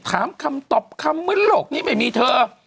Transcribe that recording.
ถามคำตอบคำมั้ยหลบนี่ไม่มีเธอ